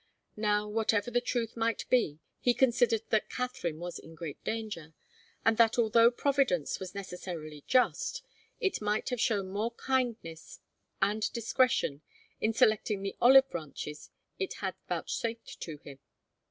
Now, whatever the truth might be, he considered that Katharine was in great danger, and that although Providence was necessarily just, it might have shown more kindness and discretion in selecting the olive branches it had vouchsafed to him.